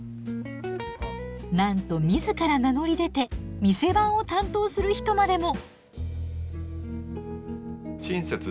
なんと自ら名乗り出て店番を担当する人までも！